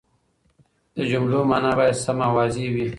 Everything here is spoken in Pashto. د جملو مانا باید سمه او واضحه وي.